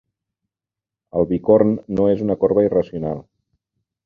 El bicorn no és una corba irracional.